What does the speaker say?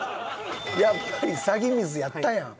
やっぱり詐欺水やったやん。